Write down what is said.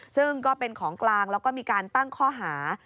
ซึ่งก็เป็นของกลางแล้วก็มีการตั้งข้อหา